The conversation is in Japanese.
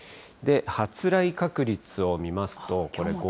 発雷確率を見ますと。